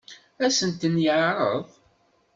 Ad sen-tent-yeɛṛeḍ?